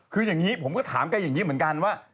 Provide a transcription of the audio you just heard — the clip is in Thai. คืออย่างนี้ผมก็ถามแกอย่างนี้เหมือนกันว่า